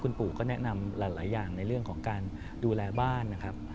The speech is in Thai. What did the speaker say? คุณปู่ก็แนะนำหลายอย่างในเรื่องของการดูแลบ้านนะครับ